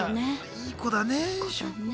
いい子だね。